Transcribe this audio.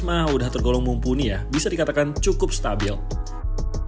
ma udah tergolong mumpuni ya bisa dikatakan cukup stabil dari sektor kamera yang telah dijajal oleh tim fomotech